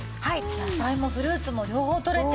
野菜もフルーツも両方取れて。